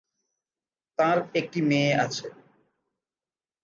তাঁর একটি মেয়ে আছে।